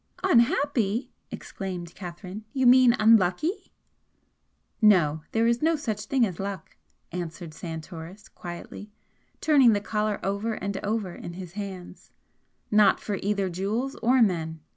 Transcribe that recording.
"Unhappy!" exclaimed Catherine "You mean unlucky?" "No! there is no such thing as luck," answered Santoris, quietly, turning the collar over and over in his hands "Not for either jewels or men!